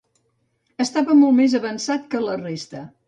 Estava molt més avançat que la resta.